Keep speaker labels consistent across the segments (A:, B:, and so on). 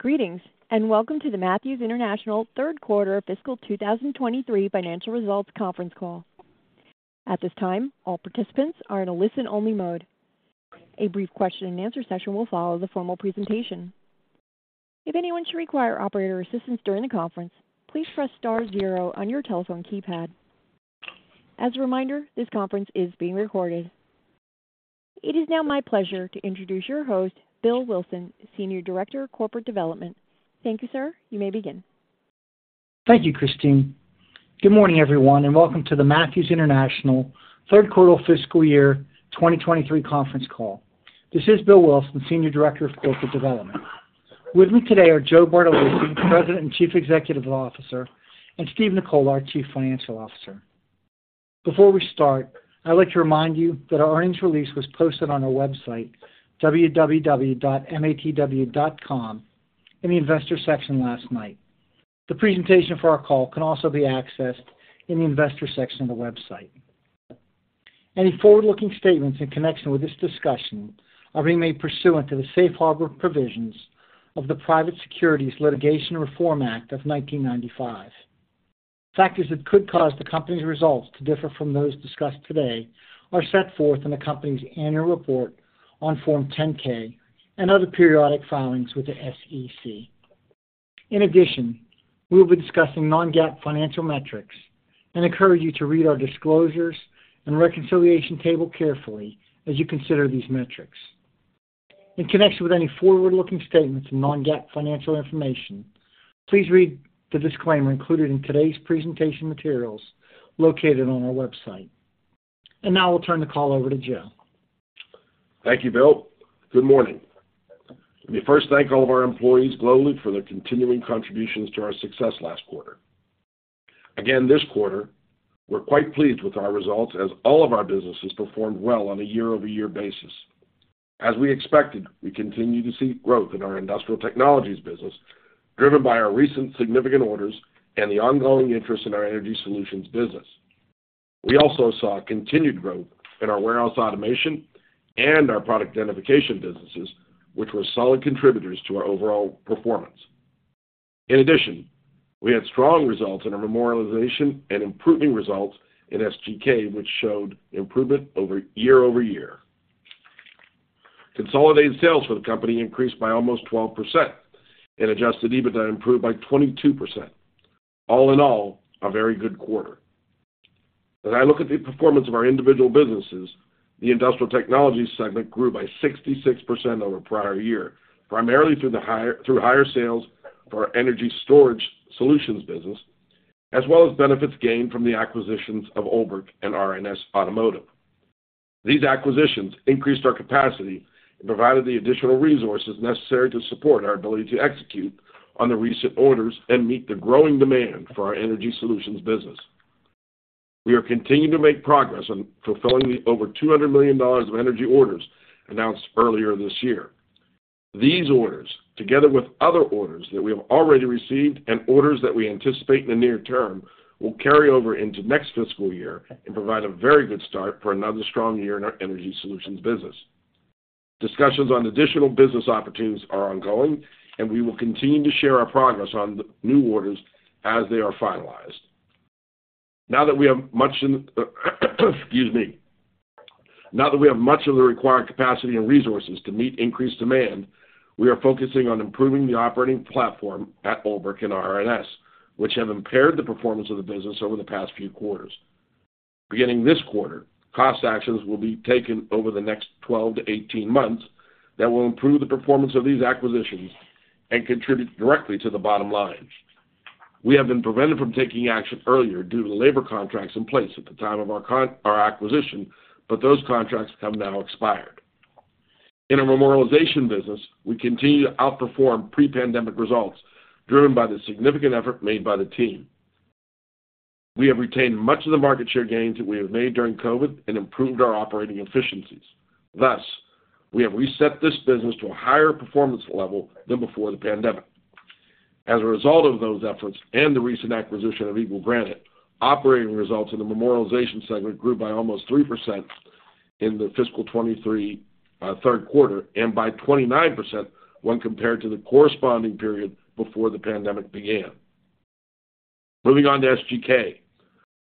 A: Greetings, welcome to the Matthews International Q3 Fiscal 2023 Financial Results Conference Call. At this time, all participants are in a listen-only mode. A brief question and answer session will follow the formal presentation. If anyone should require operator assistance during the conference, please press star zero on your telephone keypad. As a reminder, this conference is being recorded. It is now my pleasure to introduce your host, Bill Wilson, Senior Director of Corporate Development. Thank you, sir. You may begin.
B: Thank you, Christine. Good morning, everyone, and welcome to the Matthews International Q3 Fiscal Year 2023 Conference Call. This is Bill Wilson, Senior Director of Corporate Development. With me today are Joe Bartolacci, President and Chief Executive Officer, and Steve Nicola, our Chief Financial Officer. Before we start, I'd like to remind you that our earnings release was posted on our website, www.matw.com, in the investor section last night. The presentation for our call can also be accessed in the investor section of the website. Any forward-looking statements in connection with this discussion are being made pursuant to the safe harbor provisions of the Private Securities Litigation Reform Act of 1995. Factors that could cause the company's results to differ from those discussed today are set forth in the company's annual report on Form 10-K and other periodic filings with the SEC. In addition, we will be discussing non-GAAP financial metrics and encourage you to read our disclosures and reconciliation table carefully as you consider these metrics. In connection with any forward-looking statements and non-GAAP financial information, please read the disclaimer included in today's presentation materials located on our website. Now I'll turn the call over to Joe.
C: Thank you, Bill. Good morning. Let me first thank all of our employees globally for their continuing contributions to our success last quarter. Again, this quarter, we're quite pleased with our results, as all of our businesses performed well on a year-over-year basis. As we expected, we continue to see growth in our Industrial Technologies business, driven by our recent significant orders and the ongoing interest in our Energy Solutions business. We also saw continued growth in our Warehouse Automation and our Product Identification businesses, which were solid contributors to our overall performance. In addition, we had strong results in our Memorialization and improving results in SGK, which showed improvement over, year-over-year. Consolidated sales for the company increased by almost 12% and Adjusted EBITDA improved by 22%. All in all, a very good quarter. As I look at the performance of our individual businesses, the Industrial Technologies segment grew by 66% over prior year, primarily through higher sales for our energy storage solutions business, as well as benefits gained from the acquisitions of Olbrich and R+S Automotive. These acquisitions increased our capacity and provided the additional resources necessary to support our ability to execute on the recent orders and meet the growing demand for our Energy Solutions business. We are continuing to make progress on fulfilling the over $200 million of energy orders announced earlier this year. These orders, together with other orders that we have already received and orders that we anticipate in the near term, will carry over into next fiscal year and provide a very good start for another strong year in our Energy Solutions business. Discussions on additional business opportunities are ongoing, and we will continue to share our progress on the new orders as they are finalized. Now that we have much, excuse me. Now that we have much of the required capacity and resources to meet increased demand, we are focusing on improving the operating platform at Olbrich and R+S, which have impaired the performance of the business over the past few quarters. Beginning this quarter, cost actions will be taken over the next 12 to 18 months that will improve the performance of these acquisitions and contribute directly to the bottom line. We have been prevented from taking action earlier due to the labor contracts in place at the time of our acquisition, but those contracts have now expired. In our memorialization business, we continue to outperform pre-pandemic results, driven by the significant effort made by the team. We have retained much of the market share gains that we have made during COVID and improved our operating efficiencies. Thus, we have reset this business to a higher performance level than before the pandemic. As a result of those efforts and the recent acquisition of Eagle Granite, operating results in the Memorialization segment grew by almost 3% in the fiscal 2023 Q3, and by 29% when compared to the corresponding period before the pandemic began. Moving on to SGK.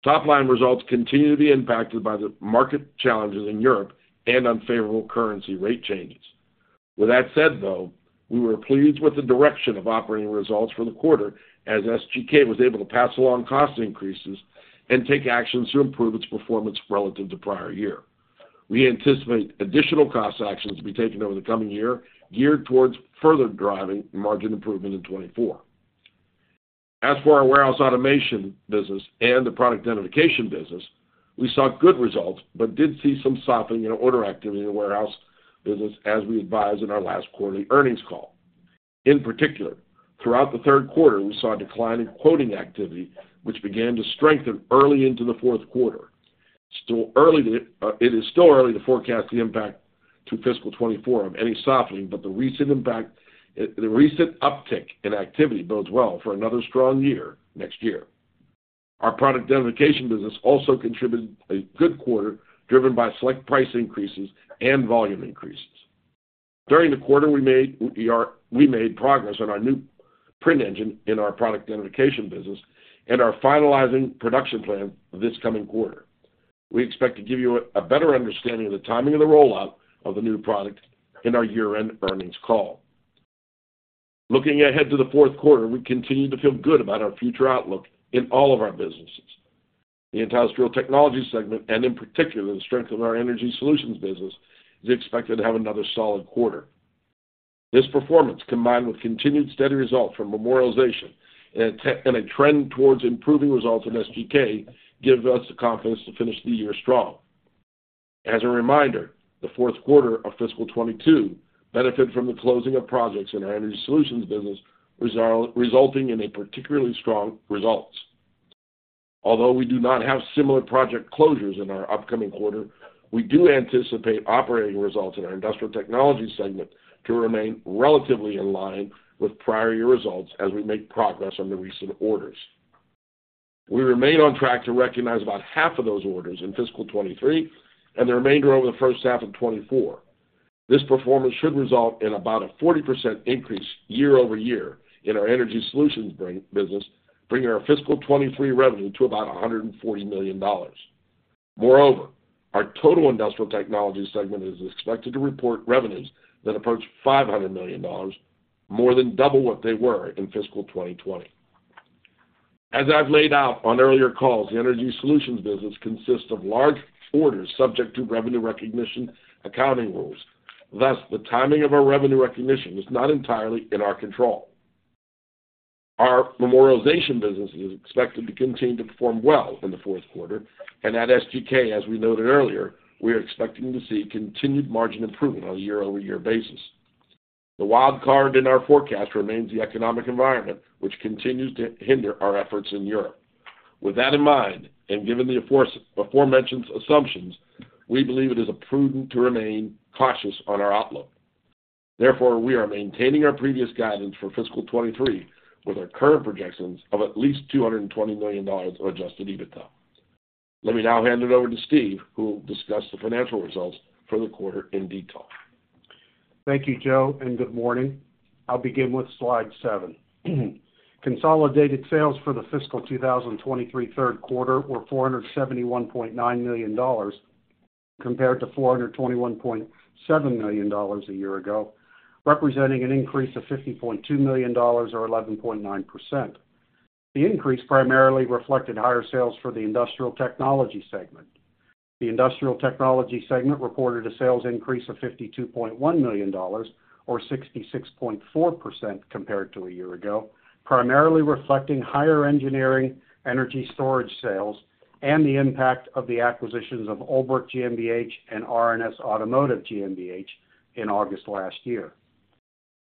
C: Top-line results continue to be impacted by the market challenges in Europe and unfavorable currency rate changes. With that said, though, we were pleased with the direction of operating results for the quarter, as SGK was able to pass along cost increases and take actions to improve its performance relative to prior year. We anticipate additional cost actions to be taken over the coming year, geared towards further driving margin improvement in 2024. For our Warehouse Automation business and the Product Identification business, we saw good results, but did see some softening in order activity in the Warehouse Automation business, as we advised in our last quarterly earnings call. In particular, throughout the Q3, we saw a decline in quoting activity, which began to strengthen early into the Q4. It is still early to forecast the impact to fiscal 2024 of any softening, but the recent impact, the recent uptick in activity bodes well for another strong year next year. Our Product Identification business also contributed a good quarter, driven by select price increases and volume increases. During the quarter, we made progress on our new print engine in our Product Identification business and are finalizing production plan this coming quarter. We expect to give you a better understanding of the timing of the rollout of the new product in our year-end earnings call. Looking ahead to the Q4, we continue to feel good about our future outlook in all of our businesses. The Industrial Technologies segment, and in particular, the strength of our Energy Solutions business, is expected to have another solid quarter. This performance, combined with continued steady results from Memorialization and a trend towards improving results in SGK, give us the confidence to finish the year strong. As a reminder, the Q4 of fiscal 2022 benefited from the closing of projects in our Energy Solutions business, resulting in a particularly strong results. Although we do not have similar project closures in our upcoming quarter, we do anticipate operating results in our Industrial Technologies segment to remain relatively in line with prior year results as we make progress on the recent orders. We remain on track to recognize about half of those orders in fiscal 2023, and the remainder over the H1 of 2024. This performance should result in about a 40% increase year-over-year in our Energy Solutions business, bringing our fiscal 2023 revenue to about $140 million. Moreover, our total Industrial Technologies segment is expected to report revenues that approach $500 million, more than double what they were in fiscal 2020. As I've laid out on earlier calls, the Energy Solutions business consists of large orders subject to revenue recognition accounting rules. Thus, the timing of our revenue recognition is not entirely in our control. Our Memorialization business is expected to continue to perform well in the Q4, and at SGK, as we noted earlier, we are expecting to see continued margin improvement on a year-over-year basis. The wild card in our forecast remains the economic environment, which continues to hinder our efforts in Europe. With that in mind, and given the aforementioned assumptions, we believe it is prudent to remain cautious on our outlook. Therefore, we are maintaining our previous guidance for fiscal 2023, with our current projections of at least $220 million of Adjusted EBITDA. Let me now hand it over to Steve, who will discuss the financial results for the quarter in detail.
D: Thank you, Joe, and good morning. I'll begin with slide seven. Consolidated sales for the fiscal 2023 Q3 were $471.9 million, compared to $421.7 million a year ago, representing an increase of $50.2 million, or 11.9%. The increase primarily reflected higher sales for the Industrial Technologies segment. The Industrial Technologies segment reported a sales increase of $52.1 million, or 66.4% compared to a year ago, primarily reflecting higher engineering energy storage sales and the impact of the acquisitions of Olbrich GmbH and R+S Automotive GmbH in August last year.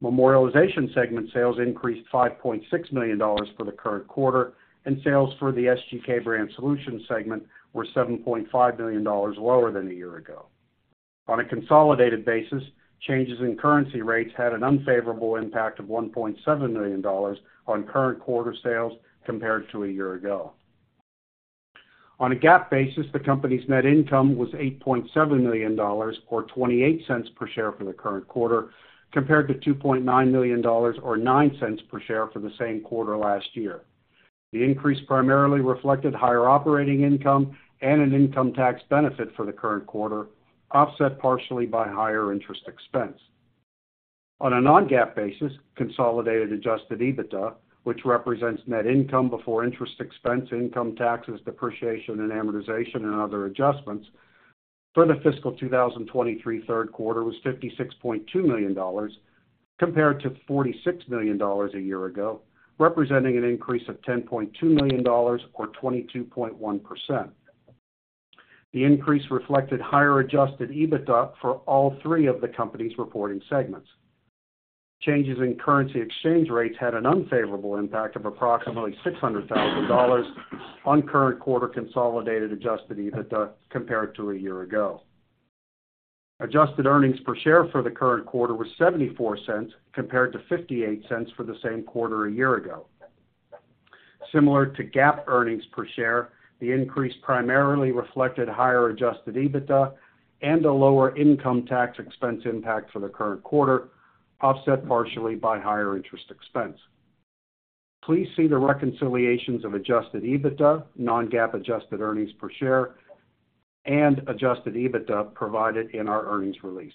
D: Memorialization segment sales increased $5.6 million for the current quarter, and sales for the SGK Brand Solutions segment were $7.5 million lower than a year ago. On a consolidated basis, changes in currency rates had an unfavorable impact of $1.7 million on current quarter sales compared to a year ago. On a GAAP basis, the company's net income was $8.7 million, or $0.28 per share for the current quarter, compared to $2.9 million, or $0.09 per share for the same quarter last year. The increase primarily reflected higher operating income and an income tax benefit for the current quarter, offset partially by higher interest expense. On a non-GAAP basis, consolidated Adjusted EBITDA, which represents net income before interest expense, income taxes, depreciation and amortization, and other adjustments, for the fiscal 2023 Q3, was $56.2 million, compared to $46 million a year ago, representing an increase of $10.2 million, or 22.1%. The increase reflected higher Adjusted EBITDA for all three of the company's reporting segments. Changes in currency exchange rates had an unfavorable impact of approximately $600,000 on current quarter consolidated Adjusted EBITDA compared to a year ago. Adjusted earnings per share for the current quarter was $0.74, compared to $0.58 for the same quarter a year ago. Similar to GAAP earnings per share, the increase primarily reflected higher Adjusted EBITDA and a lower income tax expense impact for the current quarter, offset partially by higher interest expense. Please see the reconciliations of Adjusted EBITDA, non-GAAP adjusted earnings per share, and Adjusted EBITDA provided in our earnings release.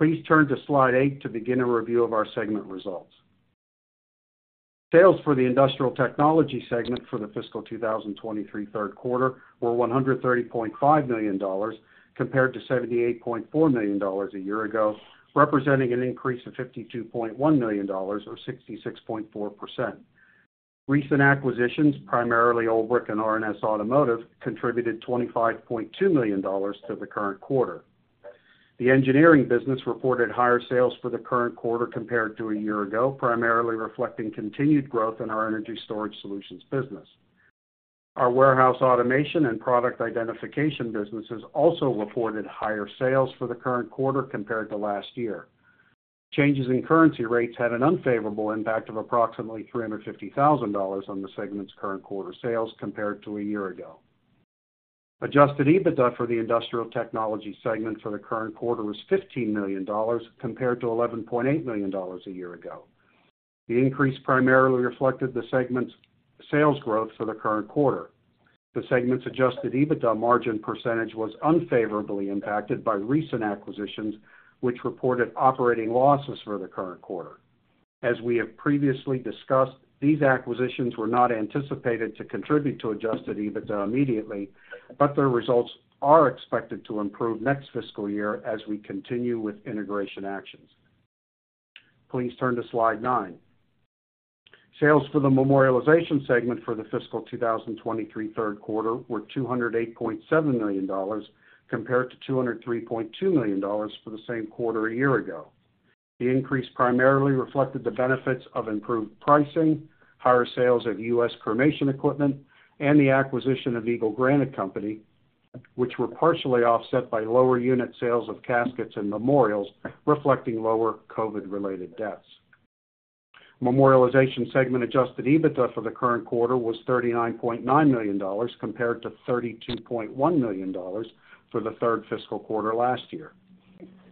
D: Please turn to slide eight to begin a review of our segment results. Sales for the Industrial Technologies segment for the fiscal 2023 Q3 were $130.5 million, compared to $78.4 million a year ago, representing an increase of $52.1 million, or 66.4%. Recent acquisitions, primarily Olbrich and R+S Automotive, contributed $25.2 million to the current quarter. The engineering business reported higher sales for the current quarter compared to a year ago, primarily reflecting continued growth in our energy storage solutions business. Our Warehouse Automation and Product Identification businesses also reported higher sales for the current quarter compared to last year. Changes in currency rates had an unfavorable impact of approximately $350,000 on the segment's current quarter sales compared to a year ago. Adjusted EBITDA for the Industrial Technologies segment for the current quarter was $15 million, compared to $11.8 million a year ago. The increase primarily reflected the segment's sales growth for the current quarter. The segment's adjusted EBITDA margin % was unfavorably impacted by recent acquisitions, which reported operating losses for the current quarter. As we have previously discussed, these acquisitions were not anticipated to contribute to adjusted EBITDA immediately, but their results are expected to improve next fiscal year as we continue with integration actions. Please turn to slide nine. Sales for the Memorialization segment for the fiscal 2023 Q3 were $208.7 million, compared to $203.2 million for the same quarter a year ago. The increase primarily reflected the benefits of improved pricing, higher sales of U.S. cremation equipment, and the acquisition of Eagle Granite Company, which were partially offset by lower unit sales of caskets and memorials, reflecting lower COVID-related deaths. Memorialization segment Adjusted EBITDA for the current quarter was $39.9 million, compared to $32.1 million for the third fiscal quarter last year.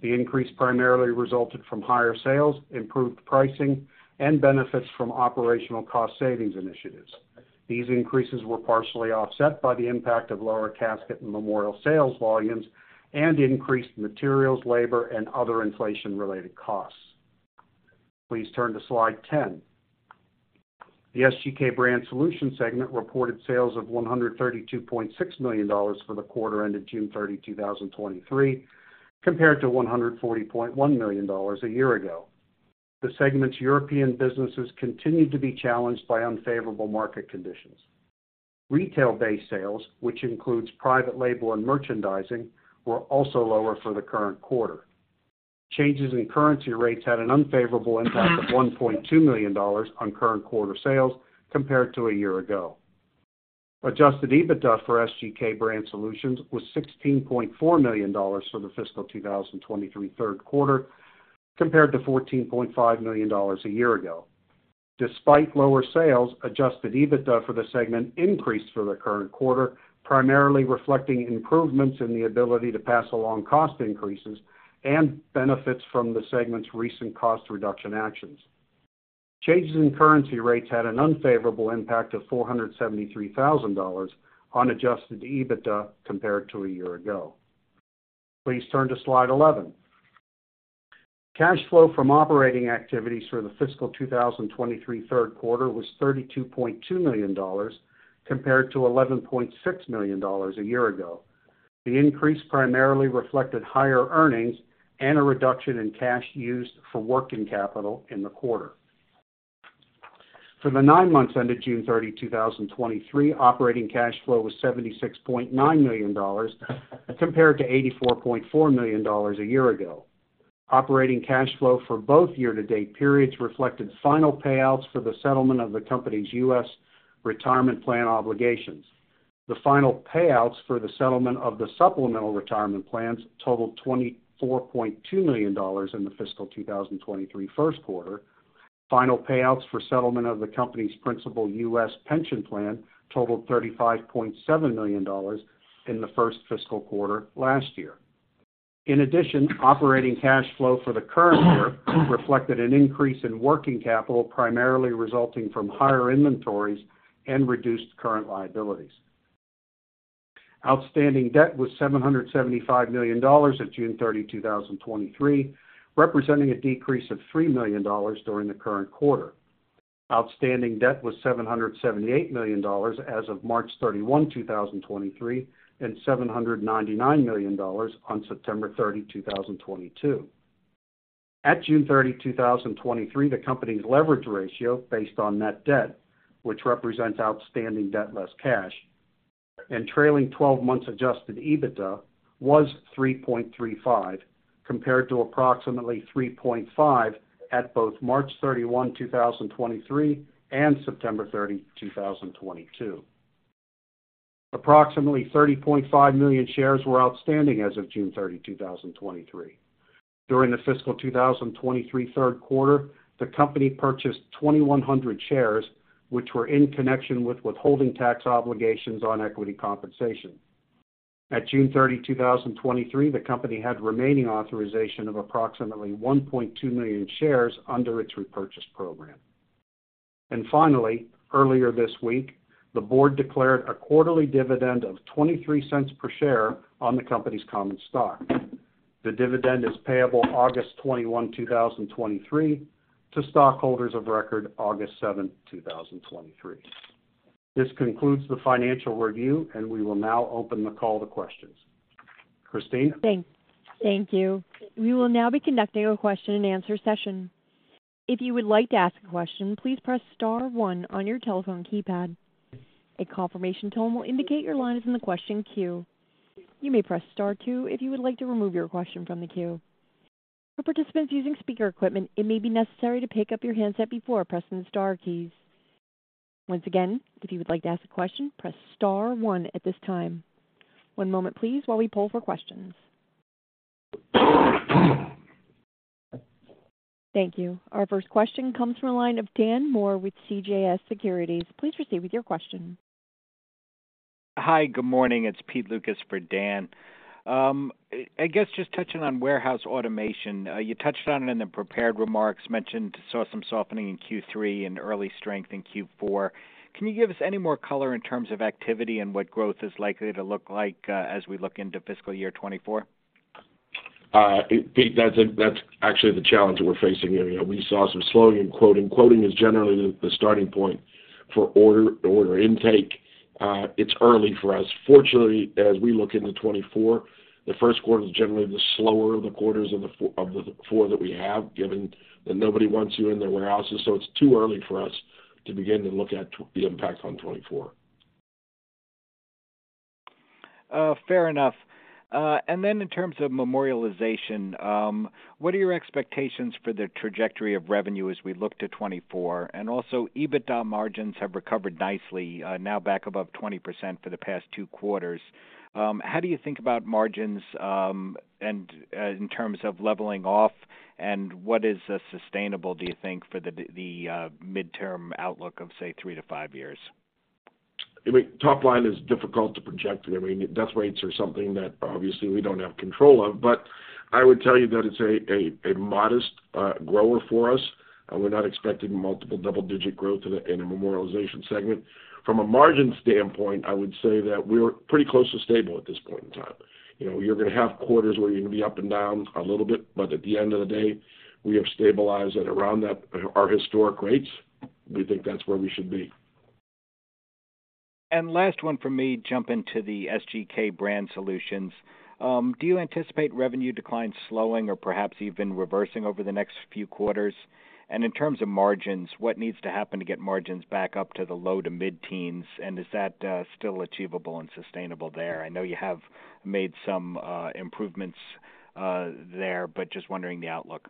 D: The increase primarily resulted from higher sales, improved pricing, and benefits from operational cost savings initiatives. These increases were partially offset by the impact of lower casket and memorial sales volumes and increased materials, labor, and other inflation-related costs. Please turn to slide 10. The SGK Brand Solutions segment reported sales of $132.6 million for the quarter ended June 30, 2023, compared to $140.1 million a year ago. The segment's European businesses continued to be challenged by unfavorable market conditions. Retail-based sales, which includes private label and merchandising, were also lower for the current quarter. Changes in currency rates had an unfavorable impact of $1.2 million on current quarter sales compared to a year ago. Adjusted EBITDA for SGK Brand Solutions was $16.4 million for the fiscal 2023 Q3, compared to $14.5 million a year ago. Despite lower sales, Adjusted EBITDA for the segment increased for the current quarter, primarily reflecting improvements in the ability to pass along cost increases and benefits from the segment's recent cost reduction actions. Changes in currency rates had an unfavorable impact of $473,000 on Adjusted EBITDA compared to a year ago. Please turn to slide 11. Cash flow from operating activities for the fiscal 2023 Q3 was $32.2 million, compared to $11.6 million a year ago. The increase primarily reflected higher earnings and a reduction in cash used for working capital in the quarter. For the nine months ended June 30, 2023, operating cash flow was $76.9 million, compared to $84.4 million a year ago. Operating cash flow for both year-to-date periods reflected final payouts for the settlement of the company's U.S. retirement plan obligations. The final payouts for the settlement of the supplemental retirement plans totaled $24.2 million in the fiscal 2023 Q1. Final payouts for settlement of the company's principal U.S. pension plan totaled $35.7 million in the first fiscal quarter last year. In addition, operating cash flow for the current year reflected an increase in working capital, primarily resulting from higher inventories and reduced current liabilities. Outstanding debt was $775 million at June 30, 2023, representing a decrease of $3 million during the current quarter. Outstanding debt was $778 million as of March 31, 2023, and $799 million on September 30, 2022. At June 30, 2023, the company's leverage ratio, based on net debt, which represents outstanding debt less cash, and trailing 12 months Adjusted EBITDA, was 3.35, compared to approximately 3.5 at both March 31, 2023, and September 30, 2022. Approximately 30.5 million shares were outstanding as of June 30, 2023. During the fiscal 2023 Q3, the company purchased 2,100 shares, which were in connection with withholding tax obligations on equity compensation. At June 30, 2023, the company had remaining authorization of approximately 1.2 million shares under its repurchase program. Finally, earlier this week, the board declared a quarterly dividend of $0.23 per share on the company's common stock. The dividend is payable August 21, 2023, to stockholders of record August 7, 2023. This concludes the financial review, and we will now open the call to questions. Christine?
A: Thank you. We will now be conducting a question-and-answer session. If you would like to ask a question, please press star 1 on your telephone keypad. A confirmation tone will indicate your line is in the question queue. You may press star 2 if you would like to remove your question from the queue. For participants using speaker equipment, it may be necessary to pick up your handset before pressing the star keys. Once again, if you would like to ask a question, press star 1 at this time. One moment please, while we poll for questions. Thank you. Our first question comes from the line of Daniel Moore with CJS Securities. Please proceed with your question.
E: Hi, good morning. It's Pete Lukas for Dan. I guess just touching on Warehouse Automation, you touched on it in the prepared remarks, mentioned saw some softening in Q3 and early strength in Q4. Can you give us any more color in terms of activity and what growth is likely to look like, as we look into fiscal year 2024?
C: Pete, that's, that's actually the challenge that we're facing. You know, we saw some slowing in quoting. Quoting is generally the, the starting point for order, order intake. It's early for us. Fortunately, as we look into 2024, the Q1 is generally the slower of the quarters of the four that we have, given that nobody wants you in their warehouses. It's too early for us to begin to look at the impact on 2024.
E: Fair enough. In terms of Memorialization, what are your expectations for the trajectory of revenue as we look to 2024? EBITDA margins have recovered nicely, now back above 20% for the past two quarters. How do you think about margins, and in terms of leveling off, and what is sustainable, do you think, for the midterm outlook of, say, three to five years?
C: I mean, top line is difficult to project. I mean, death rates are something that obviously we don't have control of, but I would tell you that it's a modest grower for us, and we're not expecting multiple double-digit growth in the, in the Memorialization segment. From a margin standpoint, I would say that we're pretty close to stable at this point in time. You know, you're gonna have quarters where you're gonna be up and down a little bit, but at the end of the day, we have stabilized at around that, our historic rates. We think that's where we should be.
E: Last one from me, jumping to the SGK Brand Solutions. Do you anticipate revenue declines slowing or perhaps even reversing over the next few quarters? In terms of margins, what needs to happen to get margins back up to the low to mid-teens, and is that still achievable and sustainable there? I know you have made some improvements there, but just wondering the outlook.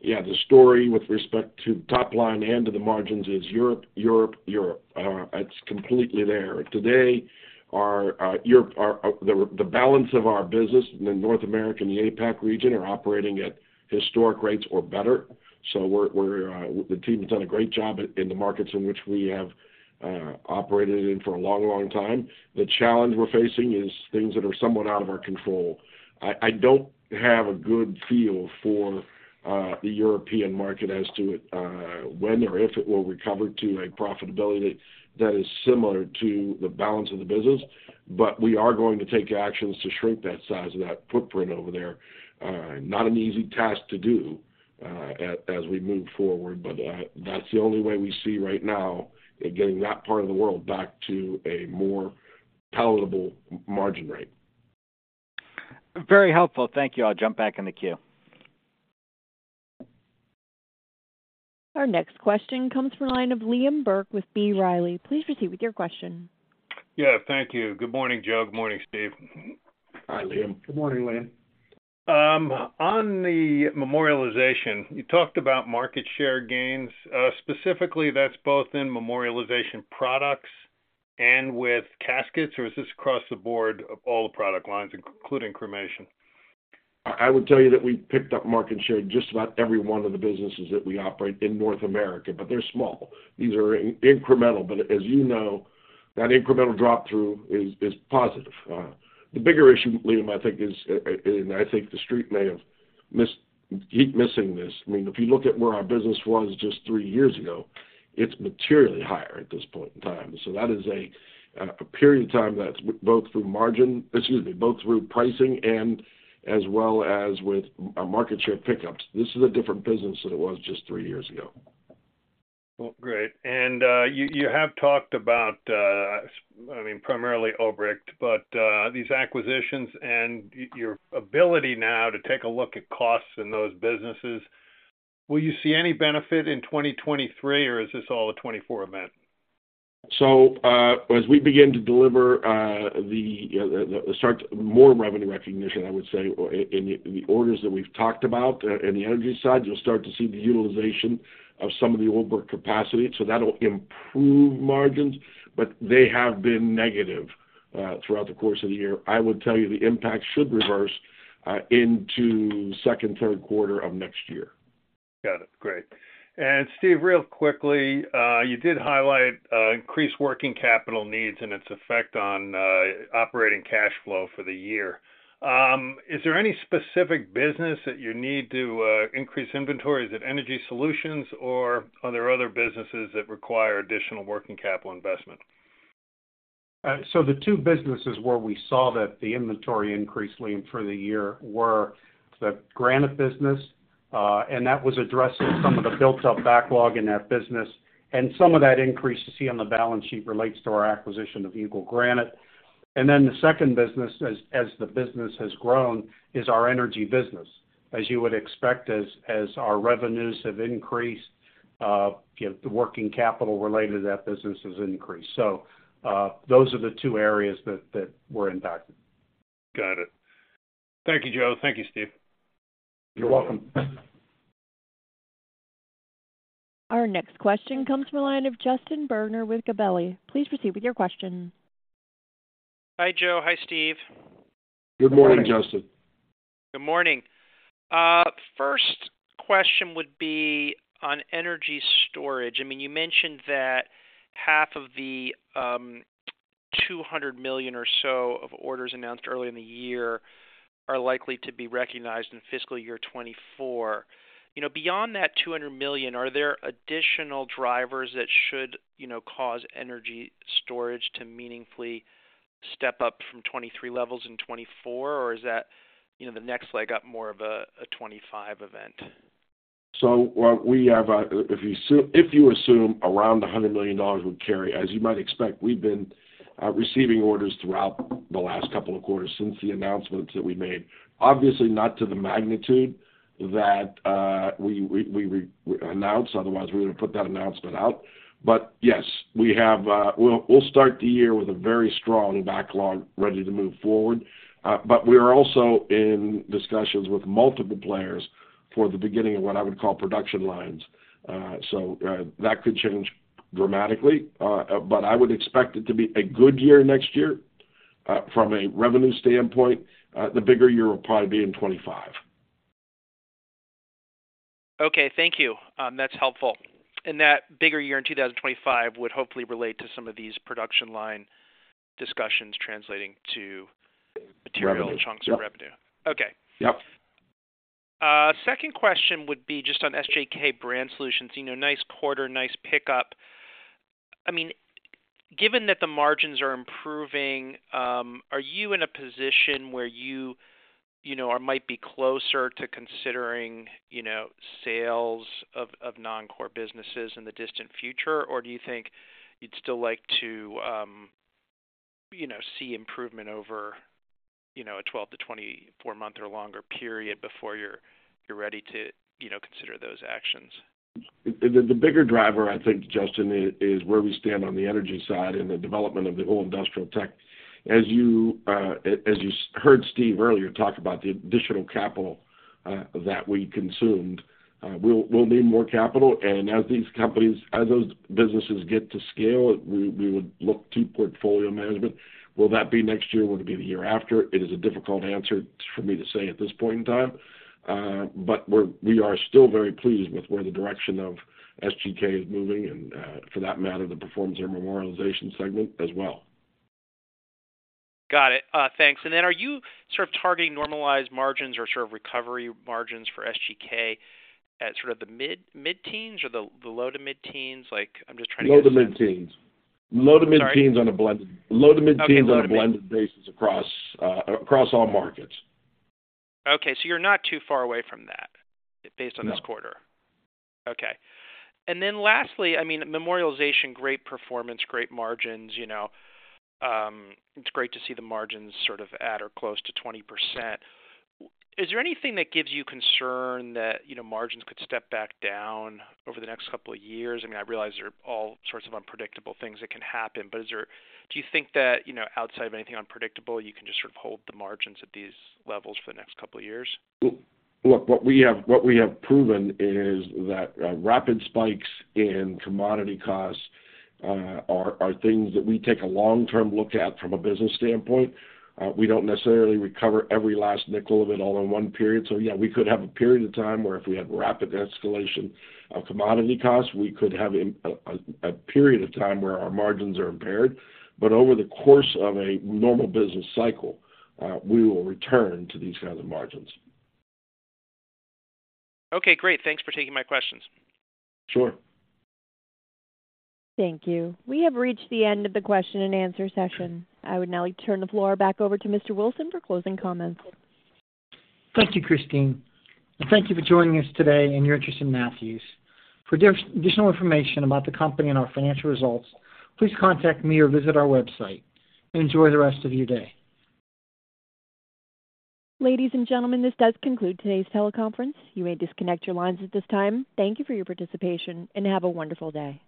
C: Yeah, the story with respect to top line and to the margins is Europe, Europe, Europe. It's completely there. Today, our, The balance of our business in the North American and the APAC region are operating at historic rates or better. We're, we're, the team has done a great job in the markets in which we have operated in for a long, long time. The challenge we're facing is things that are somewhat out of our control. I, I don't have a good feel for the European market as to when or if it will recover to a profitability that is similar to the balance of the business. We are going to take actions to shrink that size of that footprint over there. Not an easy task to do, as, as we move forward, but, that's the only way we see right now in getting that part of the world back to a more palatable margin rate.
E: Very helpful. Thank you. I'll jump back in the queue.
A: Our next question comes from the line of Liam Burke with B. Riley. Please proceed with your question.
F: Yeah, thank you. Good morning, Joe. Good morning, Steve.
C: Hi, Liam.
D: Good morning, Liam.
F: On the Memorialization, you talked about market share gains. Specifically, that's both in Memorialization products and with caskets, or is this across the board of all the product lines, including cremation?
C: I would tell you that we picked up market share in just about every one of the businesses that we operate in North America, but they're small. These are in-incremental, but as you know, that incremental drop-through is, is positive. The bigger issue, Liam, I think, is, and I think the street may have missed-- keep missing this. I mean, if you look at where our business was just three years ago, it's materially higher at this point in time. That is a period of time that's both through margin... Excuse me, both through pricing and as well as with our market share pickups. This is a different business than it was just three years ago.
F: Well, great. You, you have talked about, I mean, primarily Olbrich, but, these acquisitions and y- your ability now to take a look at costs in those businesses, will you see any benefit in 2023, or is this all a 2024 event?
C: As we begin to deliver, the, the, the start... More revenue recognition, I would say, or in the orders that we've talked about in the energy side, you'll start to see the utilization of some of the Olbrich capacity. That'll improve margins, but they have been negative throughout the course of the year. I would tell you the impact should reverse into second, Q3 of next year.
F: Got it. Great. Steve, real quickly, you did highlight increased working capital needs and its effect on operating cash flow for the year. Is there any specific business that you need to increase inventory? Is it Energy Solutions, or are there other businesses that require additional working capital investment?
D: The two businesses where we saw that the inventory increase, Liam, for the year, were the granite business, and that was addressing some of the built-up backlog in that business. Some of that increase you see on the balance sheet relates to our acquisition of Eagle Granite. The second business, as the business has grown, is our energy business. As you would expect, as our revenues have increased, you know, the working capital related to that business has increased. Those are the two areas that, that were impacted.
G: Got it. Thank you, Joe. Thank you, Steve.
B: You're welcome.
A: Our next question comes from the line of Justin Bergner with Gabelli. Please proceed with your question.
H: Hi, Joe. Hi, Steve.
C: Good morning, Justin.
H: Good morning. First question would be on energy storage. I mean, you mentioned that half of the $200 million or so of orders announced early in the year are likely to be recognized in fiscal year 2024. You know, beyond that $200 million, are there additional drivers that should, you know, cause energy storage to meaningfully step up from 2023 levels in 2024, or is that, you know, the next leg up more of a 2025 event?
C: What we have, if you assume around $100 million would carry, as you might expect, we've been receiving orders throughout the last couple of quarters since the announcements that we made. Obviously, not to the magnitude that we, we, we announced, otherwise we would have put that announcement out. Yes, we have, we'll, we'll start the year with a very strong backlog ready to move forward. We are also in discussions with multiple players for the beginning of what I would call production lines. That could change dramatically, but I would expect it to be a good year next year from a revenue standpoint. The bigger year will probably be in 2025.
H: Okay, thank you. That's helpful. That bigger year in 2025 would hopefully relate to some of these production line discussions translating to material-
C: Revenue.
H: chunks of revenue. Okay.
C: Yep.
H: Second question would be just on SGK Brand Solutions. You know, nice quarter, nice pickup. I mean, given that the margins are improving, are you in a position where you, you know, or might be closer to considering, you know, sales of, of non-core businesses in the distant future? Do you think you'd still like to, you know, see improvement over, you know, a 12 to 24 month or longer period before you're, you're ready to, you know, consider those actions?
C: The bigger driver, I think, Justin, is, is where we stand on the energy side and the development of the whole Industrial Tech. As you heard Steve earlier talk about the additional capital that we consumed, we'll need more capital, and as these companies, as those businesses get to scale, we would look to portfolio management. Will that be next year? Will it be the year after? It is a difficult answer for me to say at this point in time. We are still very pleased with where the direction of SGK is moving, and for that matter, the performance of our Memorialization segment as well.
H: Got it. thanks. Then are you sort of targeting normalized margins or sort of recovery margins for SGK at sort of the mid, mid-teens or the, the low to mid-teens? Like, I'm just trying to get-
C: Low to mid-teens. Low to mid-teens.
H: Sorry?
C: On a blended... Low to mid-teens-
H: Okay, low to mid-
C: On a blended basis across, across all markets.
H: Okay, you're not too far away from that.
C: No...
H: based on this quarter? Okay. Then lastly, I mean, Memorialization, great performance, great margins, you know. It's great to see the margins sort of at or close to 20%. Is there anything that gives you concern that, you know, margins could step back down over the next couple of years? I mean, I realize there are all sorts of unpredictable things that can happen, but do you think that, you know, outside of anything unpredictable, you can just sort of hold the margins at these levels for the next couple of years?
C: Well, look, what we have, what we have proven is that rapid spikes in commodity costs are things that we take a long-term look at from a business standpoint. We don't necessarily recover every last nickel of it all in one period. Yeah, we could have a period of time where if we have rapid escalation of commodity costs, we could have a period of time where our margins are impaired. Over the course of a normal business cycle, we will return to these kinds of margins.
H: Okay, great. Thanks for taking my questions.
C: Sure.
A: Thank you. We have reached the end of the question and answer session. I would now like to turn the floor back over to Mr. Wilson for closing comments.
B: Thank you, Christine, and thank you for joining us today and your interest in Matthews. For additional information about the company and our financial results, please contact me or visit our website. Enjoy the rest of your day.
A: Ladies and gentlemen, this does conclude today's teleconference. You may disconnect your lines at this time. Thank you for your participation, and have a wonderful day.